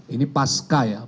ini pasca ya